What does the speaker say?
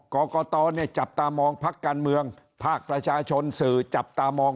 กรกตจับตามองพักการเมืองภาคประชาชนสื่อจับตามอง